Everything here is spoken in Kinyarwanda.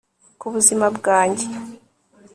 kubuzima bwanjye